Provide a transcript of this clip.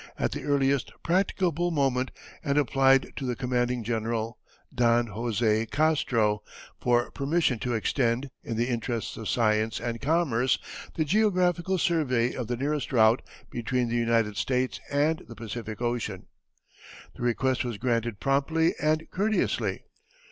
at the earliest practicable moment and applied to the commanding general, Don José Castro, for permission to extend, in the interests of science and commerce, the geographical survey of the nearest route between the United States and the Pacific Ocean. The request was granted promptly and courteously.